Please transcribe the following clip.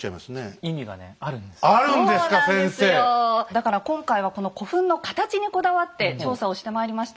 だから今回はこの古墳の形にこだわって調査をしてまいりました。